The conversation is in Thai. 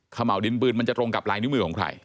เหมาดินปืนมันจะตรงกับลายนิ้วมือของใคร